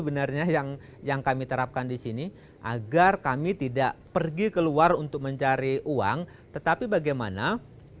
kenapa banyak masyarakat yang masih belum mau sekolah sampai kelas